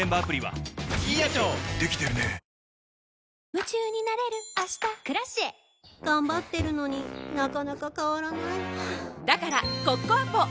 夢中になれる明日「Ｋｒａｃｉｅ」頑張ってるのになかなか変わらないはぁだからコッコアポ！